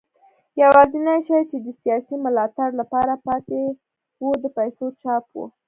یوازینی شی چې د سیاسي ملاتړ لپاره پاتې و د پیسو چاپ و.